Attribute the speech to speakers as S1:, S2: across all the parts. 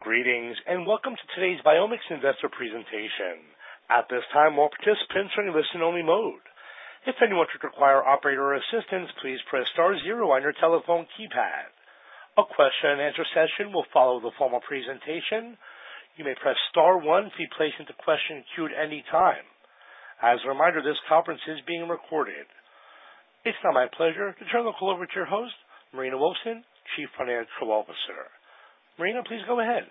S1: Greetings and welcome to today's BiomX Investor presentation. At this time, all participants are in listen-only mode. If anyone should require operator assistance, please press star zero on your telephone keypad. A question-and-answer session will follow the formal presentation. You may press star one to be placed into question queue at any time. As a reminder, this conference is being recorded. It's now my pleasure to turn the call over to your host, Marina Wolfson, Chief Financial Officer. Marina, please go ahead.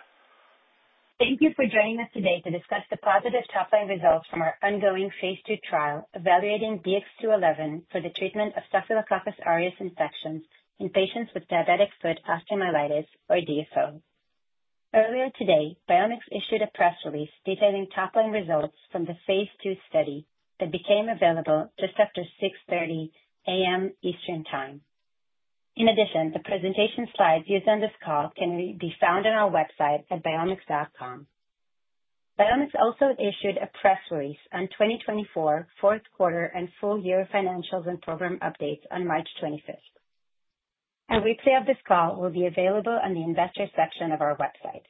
S2: Thank you for joining us today to discuss the positive top-line results from our ongoing phase II trial evaluating BX211 for the treatment of Staphylococcus aureus infections in patients with diabetic foot osteomyelitis, or DFO. Earlier today, BiomX issued a press release detailing top-line results from the phase II study that became available just after 6:30 A.M. Eastern Time. In addition, the presentation slides used on this call can be found on our website at biomx.com. BiomX also issued a press release on 2024 fourth quarter and full year financials and program updates on March 25th. A replay of this call will be available on the investor section of our website.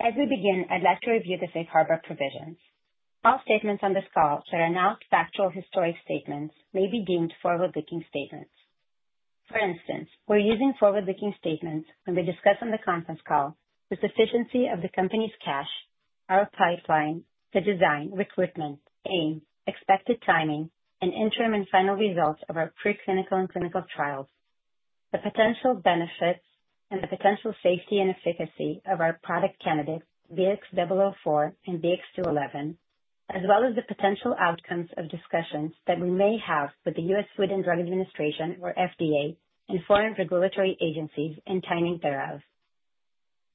S2: As we begin, I'd like to review the safe harbor provisions. All statements on this call that are not factual historic statements may be deemed forward-looking statements. For instance, we're using forward-looking statements when we discuss on the conference call the sufficiency of the company's cash, our pipeline, the design, recruitment, aim, expected timing, and interim and final results of our preclinical and clinical trials, the potential benefits and the potential safety and efficacy of our product candidate, BX004 and BX211, as well as the potential outcomes of discussions that we may have with the US Food and Drug Administration, or FDA, and foreign regulatory agencies in timing thereof.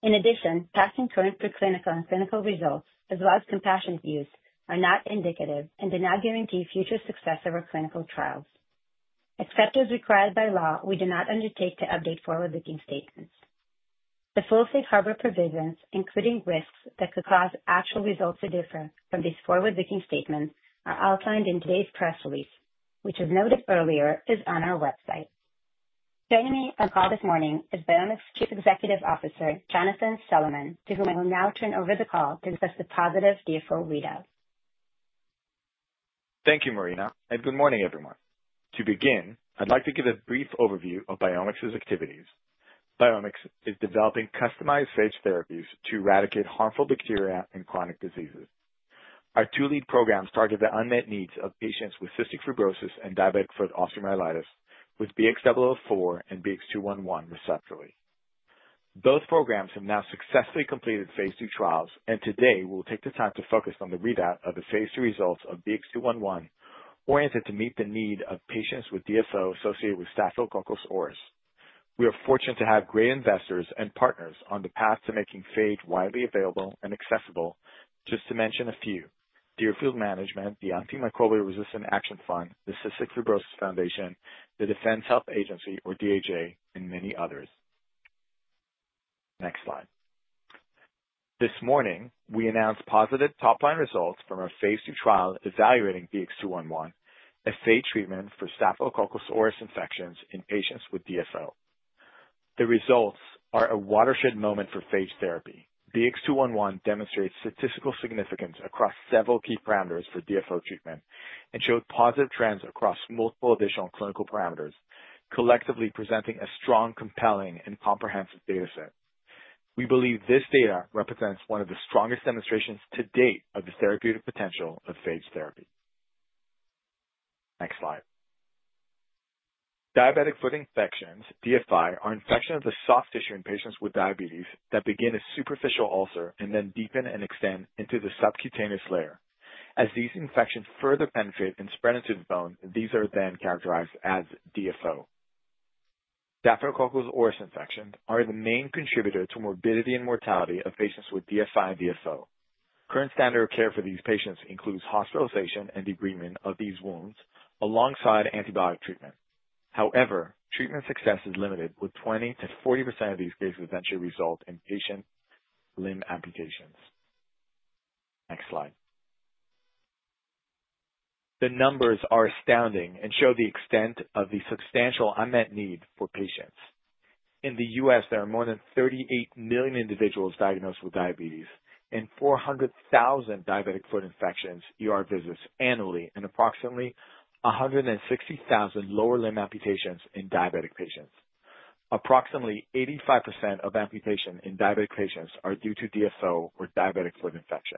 S2: In addition, past and current preclinical and clinical results, as well as compassionate use, are not indicative and do not guarantee future success of our clinical trials. Except as required by law, we do not undertake to update forward-looking statements. The full safe harbor provisions, including risks that could cause actual results to differ from these forward-looking statements, are outlined in today's press release, which, as noted earlier, is on our website. Joining me on the call this morning is BiomX Chief Executive Officer, Jonathan Solomon, to whom I will now turn over the call to discuss the positive DFO readout.
S3: Thank you, Marina, and good morning, everyone. To begin, I'd like to give a brief overview of BiomX's activities. BiomX is developing customized phage therapies to eradicate harmful bacteria and chronic diseases. Our two lead programs target the unmet needs of patients with cystic fibrosis and diabetic foot osteomyelitis with BX004 and BX211, respectively. Both programs have now successfully completed phase II trials, and today we'll take the time to focus on the readout of the phase II results of BX211, oriented to meet the need of patients with DFO associated with Staphylococcus aureus. We are fortunate to have great investors and partners on the path to making phage widely available and accessible, just to mention a few: Deerfield Management, the Antimicrobial Resistance Action Fund, the Cystic Fibrosis Foundation, the Defense Health Agency, or DHA, and many others. Next slide. This morning, we announced positive top-line results from our phase II trial evaluating BX211, a phage treatment for Staphylococcus aureus infections in patients with DFO. The results are a watershed moment for phage therapy. BX211 demonstrates statistical significance across several key parameters for DFO treatment and showed positive trends across multiple additional clinical parameters, collectively presenting a strong, compelling, and comprehensive data set. We believe this data represents one of the strongest demonstrations to date of the therapeutic potential of phage therapy. Next slide. Diabetic foot infections, DFI, are infections of the soft tissue in patients with diabetes that begin as superficial ulcers and then deepen and extend into the subcutaneous layer. As these infections further penetrate and spread into the bone, these are then characterized as DFO. Staphylococcus aureus infections are the main contributor to morbidity and mortality of patients with DFI and DFO. Current standard of care for these patients includes hospitalization and debridement of these wounds alongside antibiotic treatment. However, treatment success is limited, with 20% to 40% of these cases eventually resulting in patient limb amputations. Next slide. The numbers are astounding and show the extent of the substantial unmet need for patients. In the U.S., there are more than 38 million individuals diagnosed with diabetes and 400,000 diabetic foot infections visits annually and approximately 160,000 lower limb amputations in diabetic patients. Approximately 85% of amputations in diabetic patients are due to DFO or diabetic foot infection.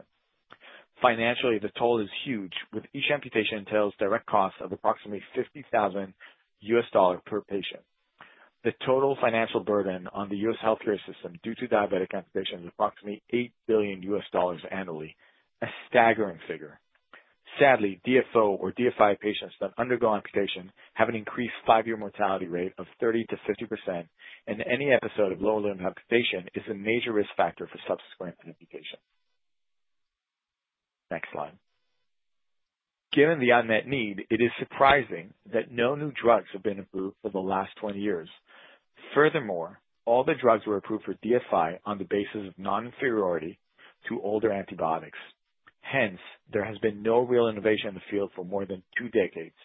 S3: Financially, the toll is huge, with each amputation entailing direct costs of approximately $50,000 per patient. The total financial burden on the U.S. healthcare system due to diabetic amputation is approximately $8 billion annually, a staggering figure. Sadly, DFO or DFI patients that undergo amputation have an increased five-year mortality rate of 30% to 50%, and any episode of lower limb amputation is a major risk factor for subsequent amputation. Next slide. Given the unmet need, it is surprising that no new drugs have been approved for the last 20 years. Furthermore, all the drugs were approved for DFI on the basis of noninferiority to older antibiotics. Hence, there has been no real innovation in the field for more than two decades.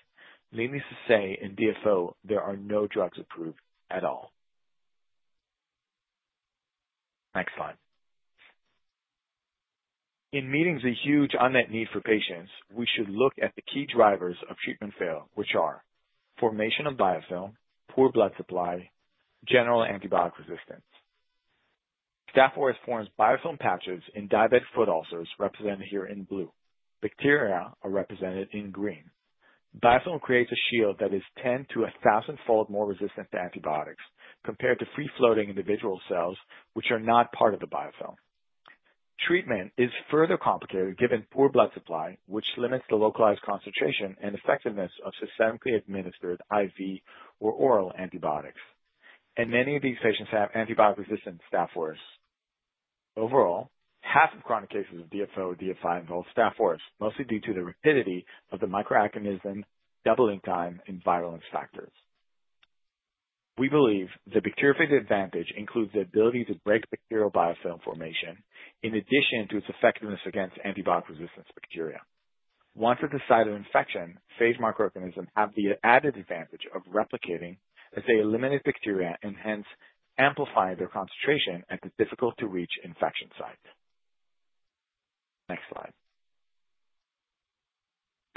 S3: Needless to say, in DFO, there are no drugs approved at all. Next slide. In meeting the huge unmet need for patients, we should look at the key drivers of treatment failure, which are formation of biofilm, poor blood supply, and general antibiotic resistance. Staphylococcus aureus forms biofilm patches in diabetic foot ulcers represented here in blue. Bacteria are represented in green. Biofilm creates a shield that is 10-1,000-fold more resistant to antibiotics compared to free-floating individual cells, which are not part of the biofilm. Treatment is further complicated given poor blood supply, which limits the localized concentration and effectiveness of systemically administered IV or oral antibiotics. Many of these patients have antibiotic-resistant Staphylococcus aureus. Overall, half of chronic cases of DFO or DFI involve Staphylococcus aureus, mostly due to the rapidity of the microorganism doubling time in virulence factors. We believe the bacteriophage advantage includes the ability to break bacterial biofilm formation, in addition to its effectiveness against antibiotic-resistant bacteria. Once at the site of infection, phage microorganisms have the added advantage of replicating as they eliminate bacteria and hence amplify their concentration at the difficult-to-reach infection site. Next slide.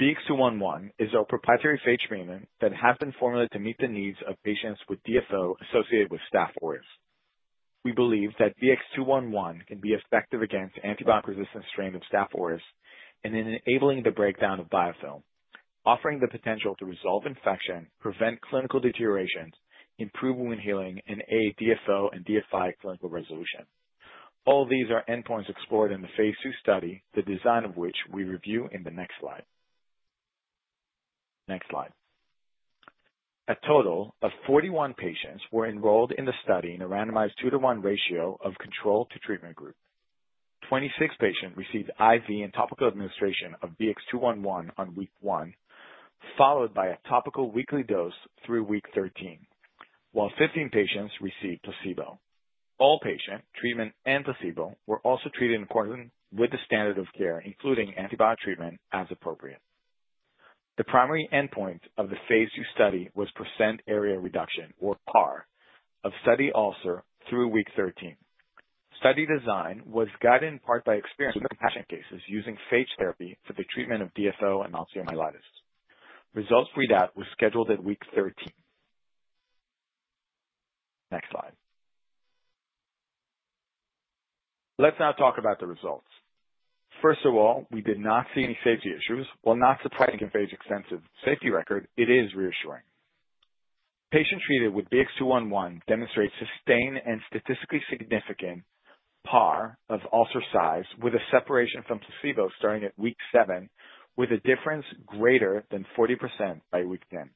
S3: BX211 is a proprietary phage treatment that has been formulated to meet the needs of patients with DFO associated with Staph aureus. We believe that BX211 can be effective against antibiotic-resistant strains of Staph aureus in enabling the breakdown of biofilm, offering the potential to resolve infection, prevent clinical deterioration, improve wound healing, and aid DFO and DFI clinical resolution. All these are endpoints explored in the phase II study, the design of which we review in the next slide. Next slide. A total of 41 patients were enrolled in the study in a randomized two-to-one ratio of control to treatment group. Twenty-six patients received IV and topical administration of BX211 on week one, followed by a topical weekly dose through week 13, while 15 patients received placebo. All patients, treatment and placebo, were also treated in accordance with the standard of care, including antibiotic treatment as appropriate. The primary endpoint of the phase II study was percent area reduction, or PAR, of study ulcer through week 13. Study design was guided in part by experience with compassionate cases using phage therapy for the treatment of DFO and osteomyelitis. Results readout was scheduled at week 13. Next slide. Let's now talk about the results. First of all, we did not see any safety issues. While not surprising to configure an extensive safety record, it is reassuring. Patients treated with BX211 demonstrate sustained and statistically significant PAR of ulcer size with a separation from placebo starting at week seven, with a difference greater than 40% by week 10.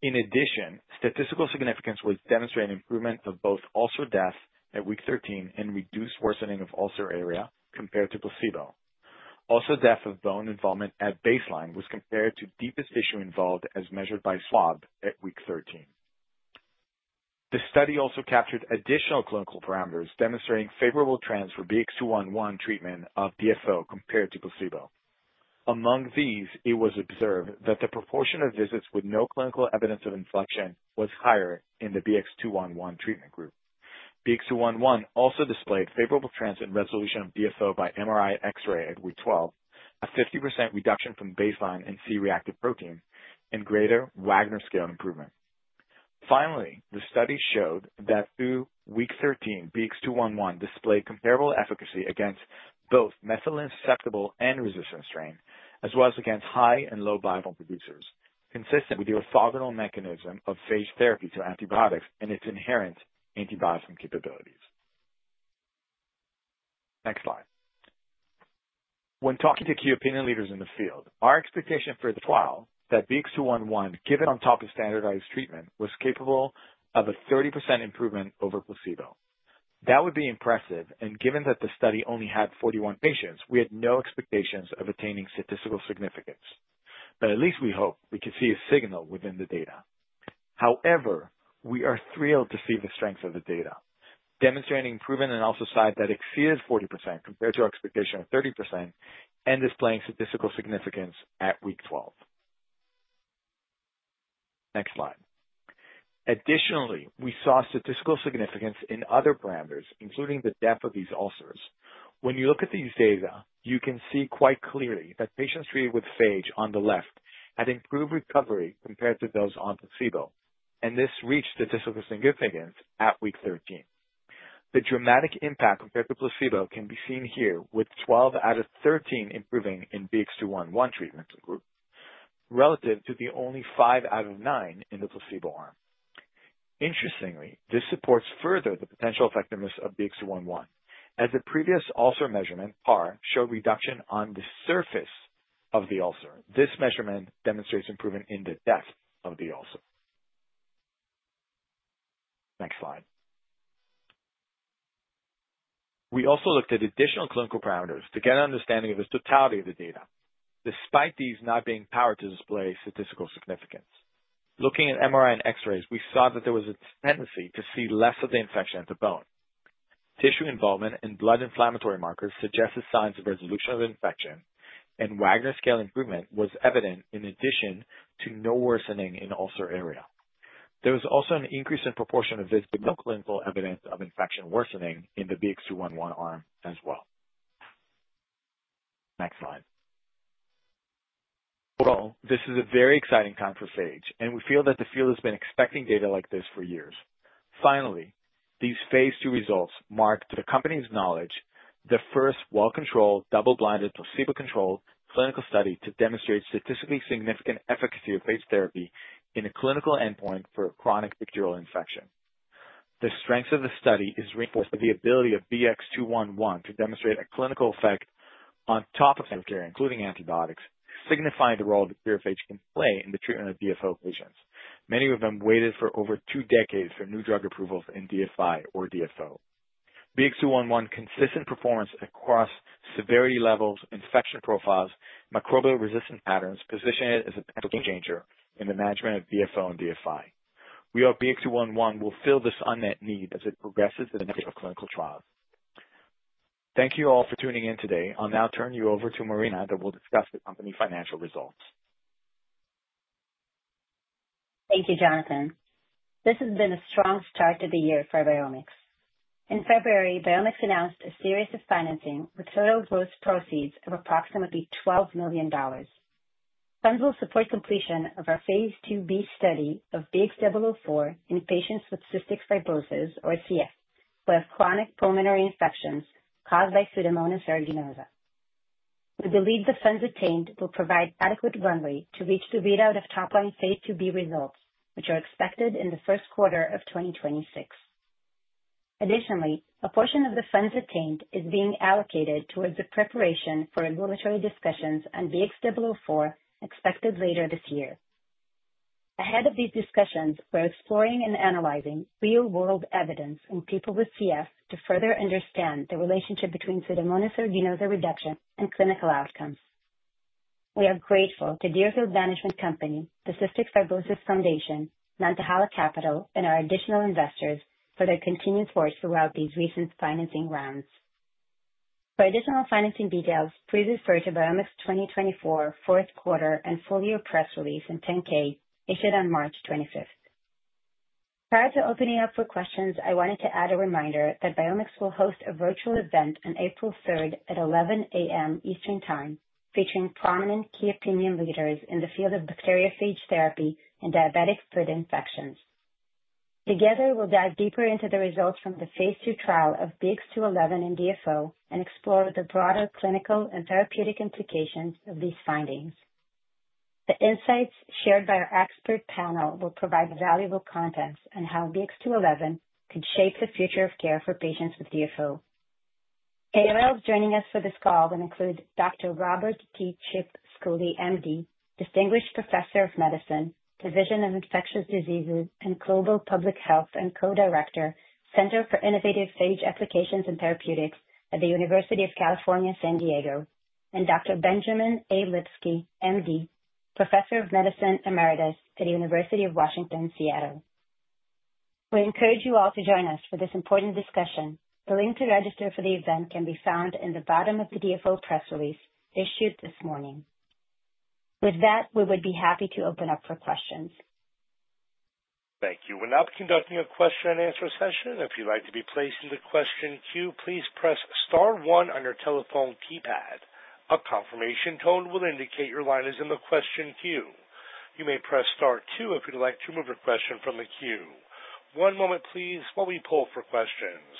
S3: In addition, statistical significance was demonstrated in improvement of both ulcer death at week 13 and reduced worsening of ulcer area compared to placebo. Ulcer depth of bone involvement at baseline was compared to deepest tissue involved as measured by swab at week 13. The study also captured additional clinical parameters demonstrating favorable trends for BX211 treatment of DFO compared to placebo. Among these, it was observed that the proportion of visits with no clinical evidence of infection was higher in the BX211 treatment group. BX211 also displayed favorable trends in resolution of DFO by MRI and X-ray at week 12, a 50% reduction from baseline in C-reactive protein and greater Wagner scale improvement. Finally, the study showed that through week 13, BX211 displayed comparable efficacy against both methicillin susceptible and resistant strains, as well as against high and low biofilm producers, consistent with the orthogonal mechanism of phage therapy to antibiotics and its inherent antibiotic capabilities. Next slide. When talking to key opinion leaders in the field, our expectation for the trial was that BX211, given on top of standardized treatment, was capable of a 30% improvement over placebo. That would be impressive, and given that the study only had 41 patients, we had no expectations of attaining statistical significance. At least we hope we could see a signal within the data. However, we are thrilled to see the strength of the data, demonstrating improvement in ulcer size that exceeded 40% compared to our expectation of 30% and displaying statistical significance at week 12. Next slide. Additionally, we saw statistical significance in other parameters, including the depth of these ulcers. When you look at these data, you can see quite clearly that patients treated with phage on the left had improved recovery compared to those on placebo, and this reached statistical significance at week 13. The dramatic impact compared to placebo can be seen here, with 12 out of 13 improving in the BX211 treatment group relative to the only five out of nine in the placebo arm. Interestingly, this supports further the potential effectiveness of BX211. As the previous ulcer measurement, PAR, showed reduction on the surface of the ulcer, this measurement demonstrates improvement in the depth of the ulcer. Next slide. We also looked at additional clinical parameters to get an understanding of the totality of the data, despite these not being powered to display statistical significance. Looking at MRI and X-rays, we saw that there was a tendency to see less of the infection at the bone. Tissue involvement and blood inflammatory markers suggested signs of resolution of infection, and Wagner scale improvement was evident in addition to no worsening in ulcer area. There was also an increase in proportion of clinical evidence of infection worsening in the BX211 arm as well. Next slide. Overall, this is a very exciting time for phage, and we feel that the field has been expecting data like this for years. Finally, these phase II results marked, to the company's knowledge, the first well-controlled double-blinded placebo-controlled clinical study to demonstrate statistically significant efficacy of phage therapy in a clinical endpoint for chronic bacterial infection. The strength of the study is reinforced by the ability of BX211 to demonstrate a clinical effect on top of therapeutic care, including antibiotics, signifying the role the bacteriophage can play in the treatment of DFO patients. Many of them waited for over two decades for new drug approvals in DFI or DFO. BX211 consistent performance across severity levels, infection profiles, and microbial resistance patterns position it as a potential game changer in the management of DFO and DFI. We hope BX211 will fill this unmet need as it progresses to the next clinical trial. Thank you all for tuning in today. I'll now turn you over to Marina who will discuss the company financial results.
S2: Thank you, Jonathan. This has been a strong start to the year for BiomX. In February, BiomX announced a series of financings with total gross proceeds of approximately $12 million. Funds will support completion of our phase II B study of BX004 in patients with cystic fibrosis, or CF, who have chronic pulmonary infections caused by Pseudomonas aeruginosa. We believe the funds attained will provide adequate runway to reach the readout of top-line phase II B results, which are expected in the first quarter of 2026. Additionally, a portion of the funds attained is being allocated towards the preparation for regulatory discussions on BX004 expected later this year. Ahead of these discussions, we're exploring and analyzing real-world evidence in people with CF to further understand the relationship between Pseudomonas aeruginosa reduction and clinical outcomes. We are grateful to Deerfield Management, the Cystic Fibrosis Foundation, Nantahala Capital, and our additional investors for their continued support throughout these recent financing rounds. For additional financing details, please refer to BiomX 2024 fourth quarter and full-year press release in 10-K issued on March 25th. Prior to opening up for questions, I wanted to add a reminder that BiomX will host a virtual event on April 3rd at 11:00 A.M. Eastern Time, featuring prominent key opinion leaders in the field of bacterial phage therapy and diabetic foot infections. Together, we'll dive deeper into the results from the phase II trial of BX211 and DFO and explore the broader clinical and therapeutic implications of these findings. The insights shared by our expert panel will provide valuable context on how BX211 could shape the future of care for patients with DFO. Panelists joining us for this call will include Dr. Robert T. Schooley, M.D., Distinguished Professor of Medicine, Division of Infectious Diseases and Global Public Health, and Co-Director, Center for Innovative Phage Applications and Therapeutics at the University of California, San Diego, and Dr. Benjamin A. Lipsky, M.D., Professor of Medicine Emeritus at the University of Washington, Seattle. We encourage you all to join us for this important discussion. The link to register for the event can be found in the bottom of the DFO press release issued this morning. With that, we would be happy to open up for questions.
S1: Thank you. We're now conducting a question-and-answer session. If you'd like to be placed in the question queue, please press star one on your telephone keypad. A confirmation tone will indicate your line is in the question queue. You may press star two if you'd like to remove a question from the queue. One moment, please, while we pull for questions.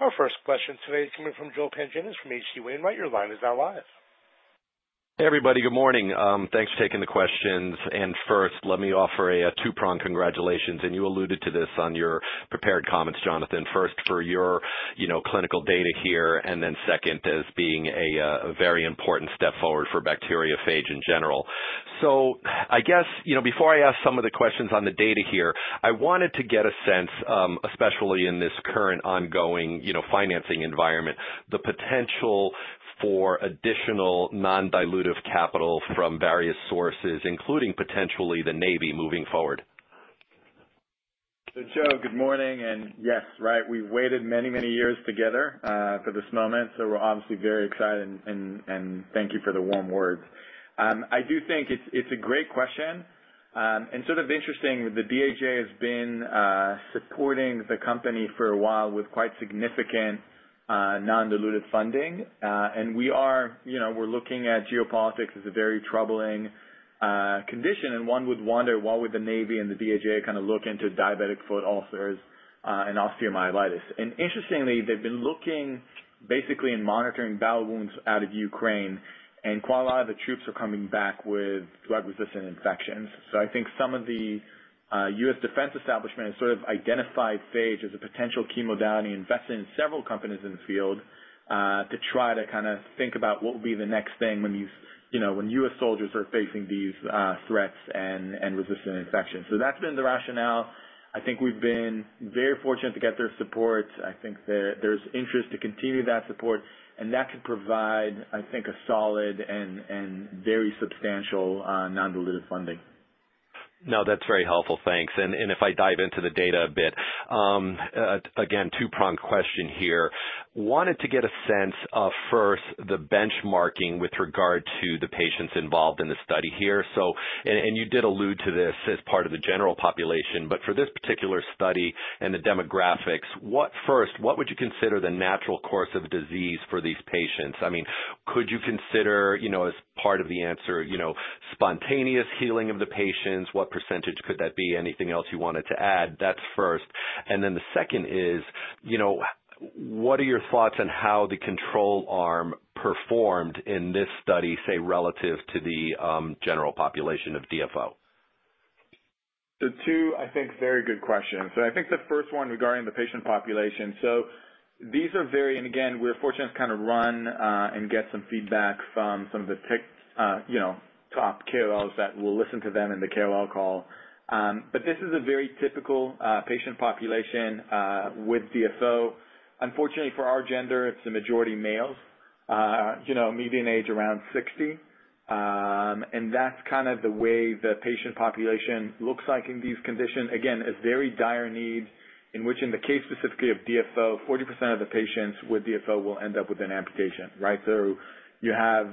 S1: Our first question today is coming from Joel Peng from H.C. Wainwright. Right, your line is now live.
S4: Hey, everybody. Good morning. Thanks for taking the questions. First, let me offer a two-pronged congratulations. You alluded to this on your prepared comments, Jonathan. First, for your clinical data here, and then second, as being a very important step forward for bacterial phage in general. I guess, before I ask some of the questions on the data here, I wanted to get a sense, especially in this current ongoing financing environment, the potential for additional non-dilutive capital from various sources, including potentially the Navy moving forward.
S3: Joe, good morning. Yes, right, we've waited many, many years together for this moment. We're obviously very excited, and thank you for the warm words. I do think it's a great question. Sort of interesting, the DHA has been supporting the company for a while with quite significant non-dilutive funding. We're looking at geopolitics as a very troubling condition, and one would wonder why would the Navy and the DHA kind of look into diabetic foot ulcers and osteomyelitis. Interestingly, they've been looking basically in monitoring bowel wounds out of Ukraine, and quite a lot of the troops are coming back with drug-resistant infections. I think some of the U.S. defense establishment has sort of identified phage as a potential key modality, investing in several companies in the field to try to kind of think about what will be the next thing when U.S. soldiers are facing these threats and resistant infections. That's been the rationale. I think we've been very fortunate to get their support. I think there's interest to continue that support, and that could provide, I think, a solid and very substantial non-dilutive funding.
S4: No, that's very helpful. Thanks. If I dive into the data a bit, again, two-pronged question here. Wanted to get a sense of first the benchmarking with regard to the patients involved in the study here. You did allude to this as part of the general population, but for this particular study and the demographics, first, what would you consider the natural course of disease for these patients? I mean, could you consider, as part of the answer, spontaneous healing of the patients? What percentage could that be? Anything else you wanted to add? That is first. The second is, what are your thoughts on how the control arm performed in this study, say, relative to the general population of DFO?
S3: The two, I think, very good questions. I think the first one regarding the patient population. These are very—and again, we are fortunate to kind of run and get some feedback from some of the top KOLs that will listen to them in the KL call. This is a very typical patient population with DFO. Unfortunately, for our gender, it's a majority males, median age around 60. That's kind of the way the patient population looks like in these conditions. Again, it's very dire need, in which, in the case specifically of DFO, 40% of the patients with DFO will end up with an amputation, right? You have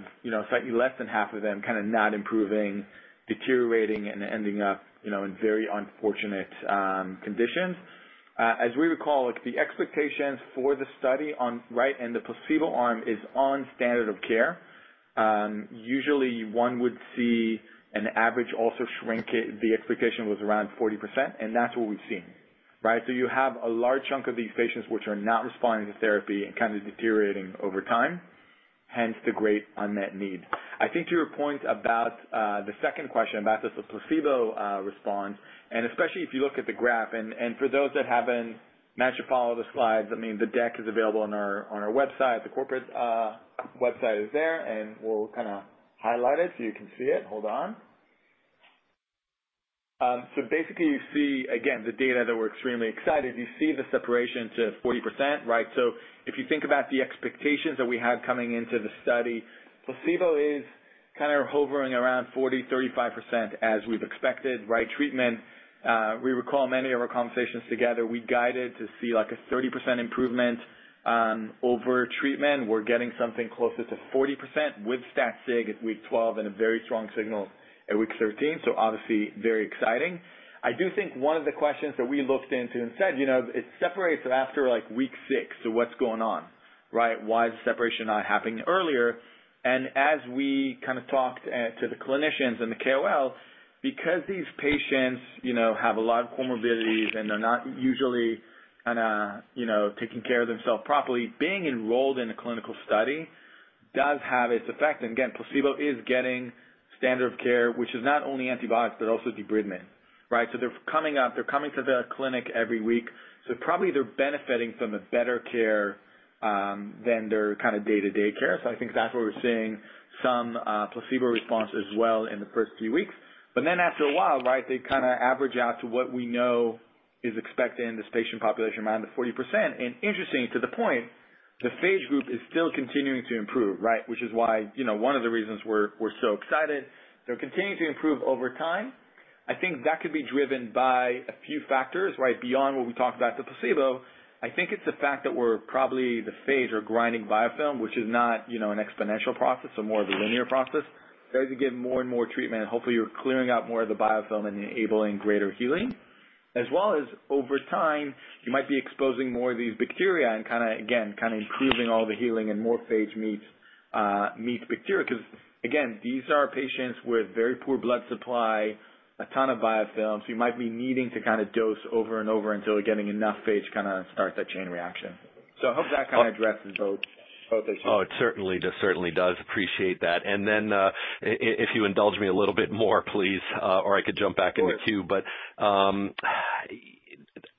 S3: slightly less than half of them kind of not improving, deteriorating, and ending up in very unfortunate conditions. As we recall, the expectations for the study on the placebo arm is on standard of care. Usually, one would see an average ulcer shrink. The expectation was around 40%, and that's what we've seen, right? You have a large chunk of these patients which are not responding to therapy and kind of deteriorating over time, hence the great unmet need. I think to your point about the second question about the placebo response, and especially if you look at the graph—and for those that have not managed to follow the slides, I mean, the deck is available on our website. The corporate website is there, and we will kind of highlight it so you can see it. Hold on. Basically, you see, again, the data that we are extremely excited. You see the separation to 40%, right? If you think about the expectations that we had coming into the study, placebo is kind of hovering around 40-35% as we have expected, right? Treatment, we recall many of our conversations together, we guided to see like a 30% improvement over treatment. We are getting something closer to 40% with stat sig at week 12 and a very strong signal at week 13. Obviously, very exciting. I do think one of the questions that we looked into and said, it separates after like week six. What's going on, right? Why is the separation not happening earlier? As we kind of talked to the clinicians and the KOL, because these patients have a lot of comorbidities and they're not usually kind of taking care of themselves properly, being enrolled in a clinical study does have its effect. Again, placebo is getting standard of care, which is not only antibiotics, but also debridement, right? They're coming to the clinic every week. Probably they're benefiting from the better care than their kind of day-to-day care. I think that's where we're seeing some placebo response as well in the first few weeks. But then after a while, right, they kind of average out to what we know is expected in this patient population around the 40%. Interestingly, to the point, the phage group is still continuing to improve, right? Which is why one of the reasons we're so excited. They're continuing to improve over time. I think that could be driven by a few factors, right? Beyond what we talked about the placebo, I think it's the fact that we're probably the phage or grinding biofilm, which is not an exponential process, so more of a linear process. As you give more and more treatment, hopefully you're clearing out more of the biofilm and enabling greater healing. As well as over time, you might be exposing more of these bacteria and kind of, again, kind of improving all the healing and more phage meets bacteria. Because again, these are patients with very poor blood supply, a ton of biofilm. You might be needing to kind of dose over and over until you're getting enough phage to kind of start that chain reaction. I hope that kind of addresses both issues.
S4: Oh, it certainly does. Appreciate that. If you indulge me a little bit more, please, or I could jump back in the queue.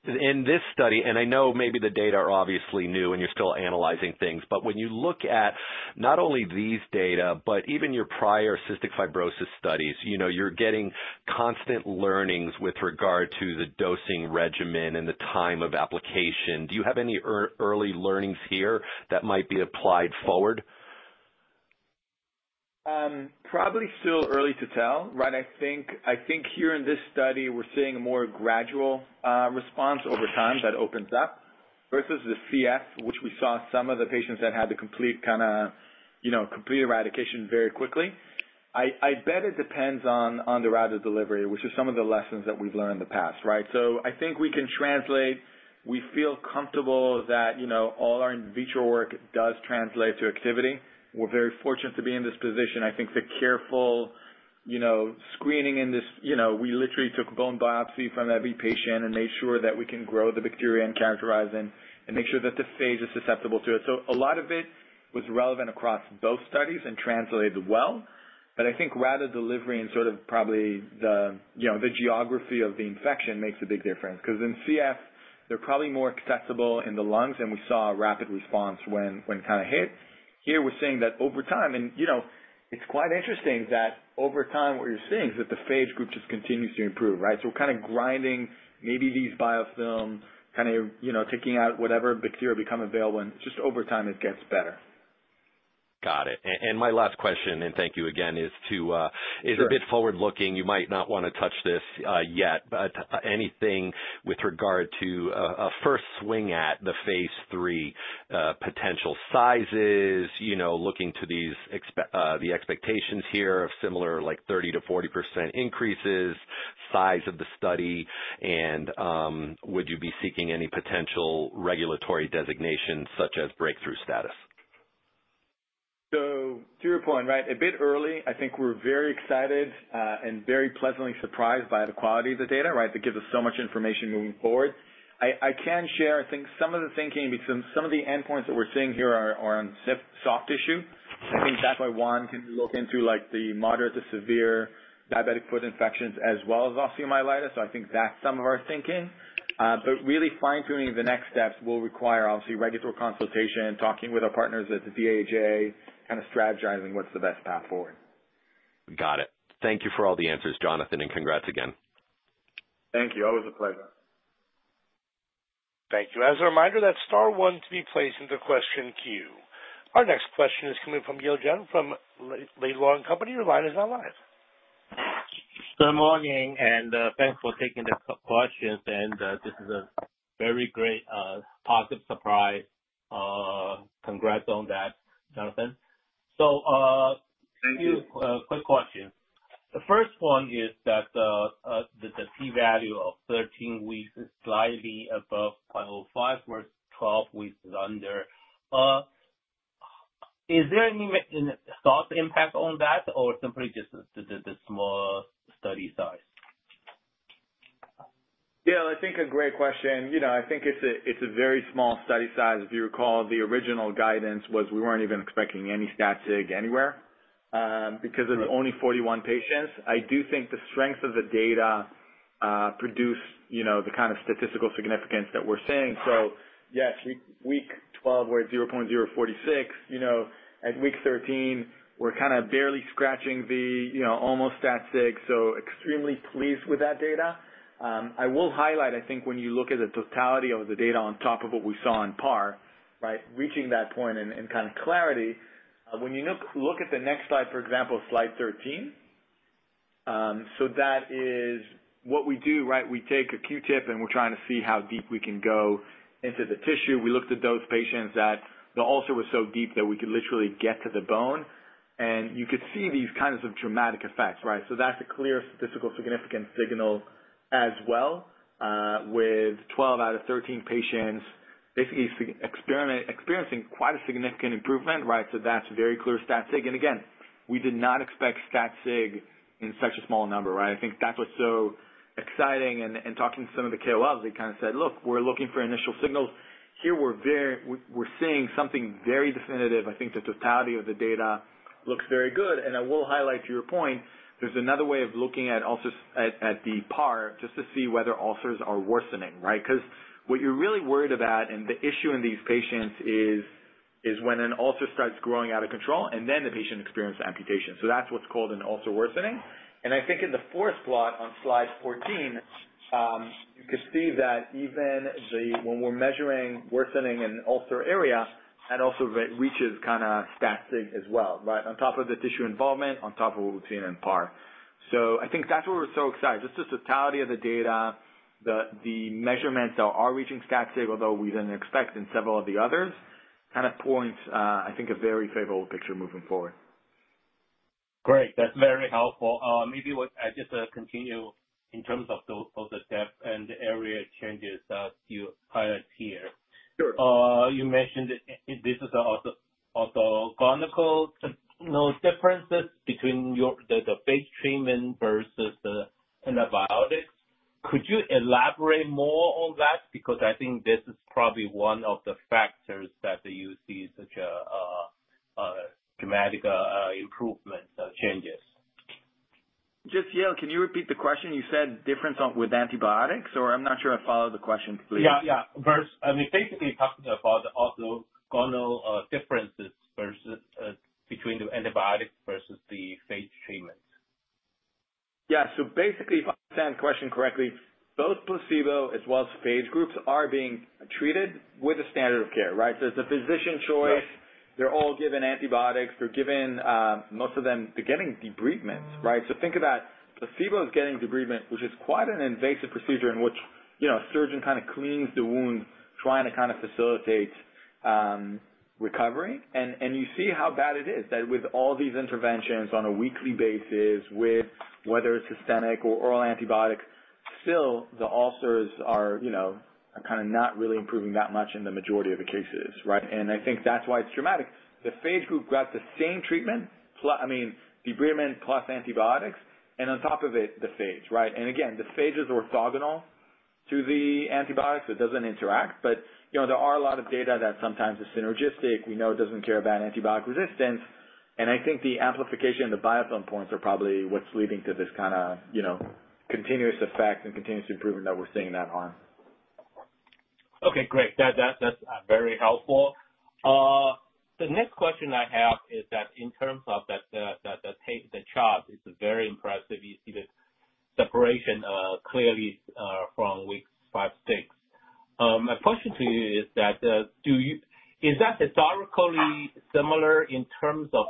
S4: In this study, and I know maybe the data are obviously new and you're still analyzing things, when you look at not only these data, but even your prior cystic fibrosis studies, you're getting constant learnings with regard to the dosing regimen and the time of application. Do you have any early learnings here that might be applied forward?
S3: Probably still early to tell, right? I think here in this study, we're seeing a more gradual response over time that opens up versus the CF, which we saw some of the patients that had the complete kind of complete eradication very quickly. I bet it depends on the route of delivery, which is some of the lessons that we've learned in the past, right? I think we can translate. We feel comfortable that all our in vitro work does translate to activity. We're very fortunate to be in this position. I think the careful screening in this, we literally took bone biopsy from every patient and made sure that we can grow the bacteria and characterize them and make sure that the phage is susceptible to it. A lot of it was relevant across both studies and translated well. I think route of delivery and sort of probably the geography of the infection makes a big difference. Because in CF, they're probably more accessible in the lungs, and we saw a rapid response when kind of hit. Here we're seeing that over time, and it's quite interesting that over time what you're seeing is that the phage group just continues to improve, right? So we're kind of grinding maybe these biofilm, kind of taking out whatever bacteria become available, and just over time it gets better.
S4: Got it. My last question, and thank you again, is to is a bit forward-looking. You might not want to touch this yet, but anything with regard to a first swing at the phase III potential sizes, looking to the expectations here of similar like 30% to 40% increases, size of the study, and would you be seeking any potential regulatory designation such as breakthrough status?
S3: To your point, right, a bit early, I think we're very excited and very pleasantly surprised by the quality of the data, right? That gives us so much information moving forward. I can share, I think some of the thinking because some of the endpoints that we're seeing here are on soft tissue. I think that's why one can look into the moderate to severe diabetic foot infections as well as osteomyelitis. I think that's some of our thinking. Really fine-tuning the next steps will require obviously regulatory consultation, talking with our partners at the DHA, kind of strategizing what's the best path forward.
S4: Got it. Thank you for all the answers, Jonathan, and congrats again.
S3: Thank you. Always a pleasure.
S1: Thank you. As a reminder, that star one to be placed in the question queue. Our next question is coming from Yale Jen from Laidlaw & Company. Your line is now live.
S5: Good morning, and thanks for taking the questions. This is a very great positive surprise. Congrats on that, Jonathan. A few quick questions. The first one is that the p-value at 13 weeks is slightly above 0.05, whereas 12 weeks is under. Is there any thought to impact on that or simply just the small study size?
S3: Yeah, I think a great question. I think it's a very small study size. If you recall, the original guidance was we weren't even expecting any stat. SIG anywhere because of the only 41 patients. I do think the strength of the data produced the kind of statistical significance that we're seeing. Yes, week 12, we're at 0.046. At week 13, we're kind of barely scratching the almost stat. SIG, so extremely pleased with that data. I will highlight, I think when you look at the totality of the data on top of what we saw in PAR, right, reaching that point and kind of clarity, when you look at the next slide, for example, slide 13, that is what we do, right? We take a Q-tip and we're trying to see how deep we can go into the tissue. We looked at those patients that the ulcer was so deep that we could literally get to the bone. You could see these kinds of dramatic effects, right? That's a clear statistical significance signal as well with 12 out of 13 patients basically experiencing quite a significant improvement, right? That's very clear stat. SIG. Again, we did not expect stat. SIG in such a small number, right? I think that's what's so exciting. Talking to some of the KOLs, they kind of said, "Look, we're looking for initial signals." Here we're seeing something very definitive. I think the totality of the data looks very good. I will highlight to your point, there's another way of looking at the PAR just to see whether ulcers are worsening, right? Because what you're really worried about and the issue in these patients is when an ulcer starts growing out of control and then the patient experiences amputation. That's what's called an ulcer worsening. I think in the fourth plot on slide 14, you could see that even when we're measuring worsening in ulcer area, that ulcer reaches kind of stat. SIG as well, right? On top of the tissue involvement, on top of what we've seen in PAR. I think that's why we're so excited. Just the totality of the data, the measurements that are reaching stat. SIG, although we didn't expect in several of the others, kind of points, I think, a very favorable picture moving forward.
S5: Great. That's very helpful. Maybe just continue in terms of both the depth and the area changes that you highlight here. You mentioned this is also gonocole. No differences between the phage treatment versus the antibiotics. Could you elaborate more on that? Because I think this is probably one of the factors that you see such dramatic improvement changes.
S3: Just, Yale, can you repeat the question? You said difference with antibiotics? Or I'm not sure I followed the question completely.
S5: Yeah, yeah. I mean, basically talking about also general differences between the antibiotics versus the phage treatment.
S3: Yeah. If I understand the question correctly, both placebo as well as phage groups are being treated with a standard of care, right? It is a physician choice. They are all given antibiotics. Most of them are getting debridements, right? Think about placebo is getting debridement, which is quite an invasive procedure in which a surgeon kind of cleans the wound trying to facilitate recovery. You see how bad it is that with all these interventions on a weekly basis, whether it is systemic or oral antibiotics, still the ulcers are not really improving that much in the majority of the cases, right? I think that's why it's dramatic. The phage group got the same treatment, I mean, debridement plus antibiotics, and on top of it, the phage, right? Again, the phage is orthogonal to the antibiotics, so it doesn't interact. There are a lot of data that sometimes is synergistic. We know it doesn't care about antibiotic resistance. I think the amplification and the biofilm points are probably what's leading to this kind of continuous effect and continuous improvement that we're seeing that on.
S5: Okay, great. That's very helpful. The next question I have is that in terms of the chart, it's very impressive. You see the separation clearly from week five, six. My question to you is that is that historically similar in terms of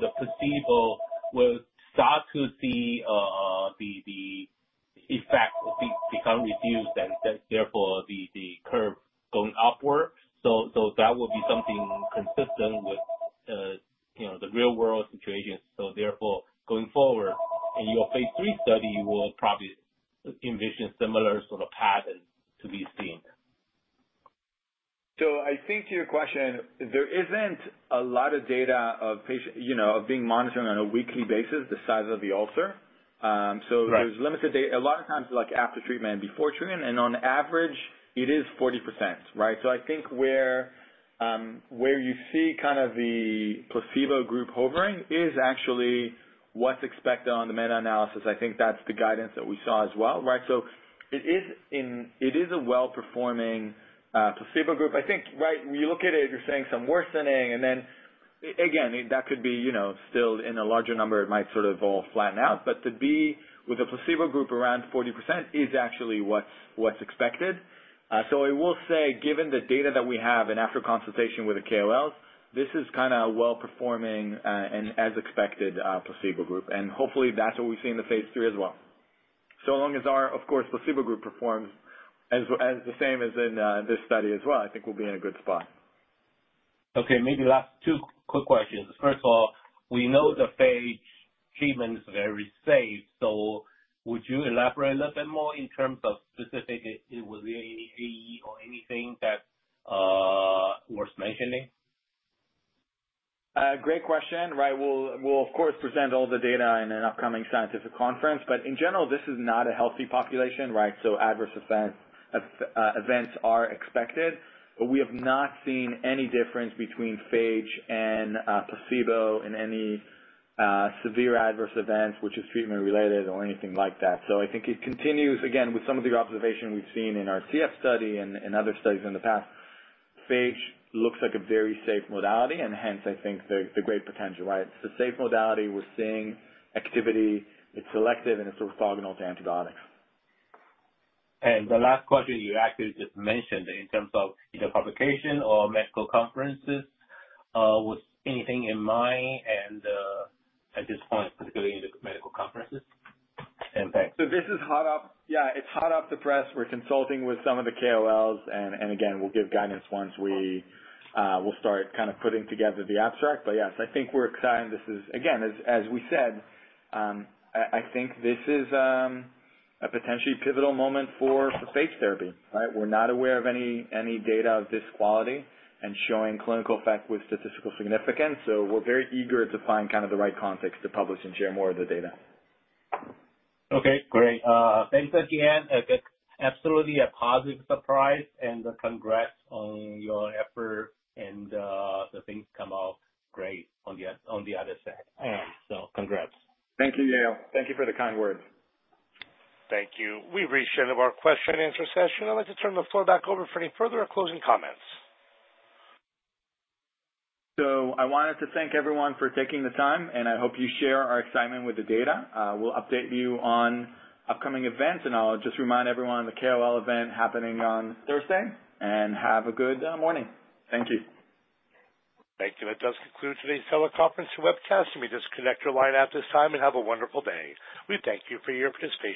S5: the placebo with. Start to see the effect become reduced and therefore the curve going upward. That will be something consistent with the real-world situation. Therefore, going forward, in your phase III study, you will probably envision similar sort of patterns to be seen.
S3: I think to your question, there isn't a lot of data of being monitoring on a weekly basis the size of the ulcer.
S5: Correct.
S3: There is limited data. A lot of times, like after treatment and before treatment, and on average, it is 40%, right? I think where you see kind of the placebo group hovering is actually what's expected on the meta-analysis. I think that's the guidance that we saw as well, right? It is a well-performing placebo group. I think, right, when you look at it, you're saying some worsening, and then again, that could be still in a larger number, it might sort of all flatten out. To be with a placebo group around 40% is actually what's expected. I will say, given the data that we have and after consultation with the KOLs, this is kind of a well-performing and as expected placebo group. Hopefully that's what we see in the phase III as well. So long as our, of course, placebo group performs as the same as in this study as well, I think we'll be in a good spot.
S5: Okay. Maybe last two quick questions. First of all, we know the phage treatment is very safe. Would you elaborate a little bit more in terms of specific AE or anything that's worth mentioning?
S3: Great question, right? We'll, of course, present all the data in an upcoming scientific conference. In general, this is not a healthy population, right? Adverse events are expected. We have not seen any difference between phage and placebo in any severe adverse events, which is treatment-related or anything like that. I think it continues, again, with some of the observation we've seen in our CF study and other studies in the past. Phage looks like a very safe modality, and hence I think the great potential, right? It's a safe modality. We're seeing activity. It's selective, and it's orthogonal to antibiotics.
S5: The last question you actually just mentioned in terms of either publication or medical conferences, was anything in mind at this point, particularly in the medical conferences? Thanks.
S3: This is hot off, yeah, it's hot off the press. We're consulting with some of the KOLs, and again, we'll give guidance once we will start kind of putting together the abstract. Yes, I think we're excited. Again, as we said, I think this is a potentially pivotal moment for phage therapy, right? We're not aware of any data of this quality and showing clinical effect with statistical significance. We're very eager to find kind of the right context to publish and share more of the data.
S5: Okay, great. Thanks again. Absolutely a positive surprise, and congrats on your effort, and the things come out great on the other side. Congrats.
S3: Thank you, Yale. Thank you for the kind words.
S1: Thank you. We've reached the end of our question-and-answer session. I'd like to turn the floor back over for any further closing comments.
S3: I wanted to thank everyone for taking the time, and I hope you share our excitement with the data. We'll update you on upcoming events, and I'll just remind everyone of the KOL event happening on Thursday and have a good morning. Thank you.
S1: Thank you. That does conclude today's teleconference and webcast. You may disconnect your line at this time and have a wonderful day. We thank you for your participation.